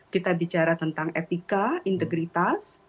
kita bicara tentang etika integritas